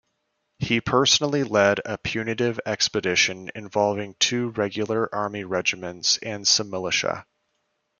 He personally led a punitive expedition involving two Regular Army regiments and some militia.